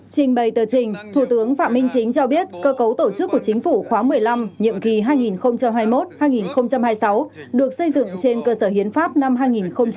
trình bày tờ trình thủ tướng phạm minh chính cho biết cơ cấu tổ chức của chính phủ khóa một mươi năm nhiệm kỳ hai nghìn hai mươi một hai nghìn hai mươi sáu được xây dựng trên cơ sở hiến pháp năm hai nghìn một mươi ba